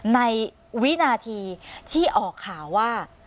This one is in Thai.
วินาทีที่ออกข่าวว่า